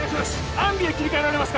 アンビューに切り替えられますか？